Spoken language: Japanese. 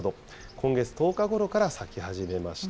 今月１０日ごろから咲き始めました。